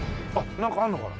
なんかあるのかな？